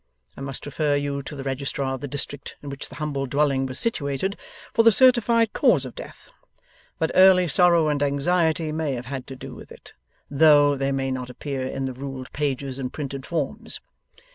I must refer you to the Registrar of the District in which the humble dwelling was situated, for the certified cause of death; but early sorrow and anxiety may have had to do with it, though they may not appear in the ruled pages and printed forms.